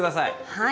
はい。